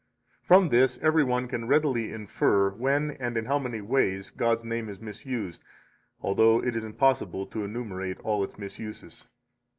53 From this every one can readily infer when and in how many ways God's name is misused, although it is impossible to enumerate all its misuses.